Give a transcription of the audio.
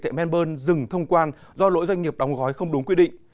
tại melbourne dừng thông quan do lỗi doanh nghiệp đóng gói không đúng quy định